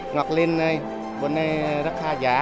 ngọc linh đây bên đây rất khá giả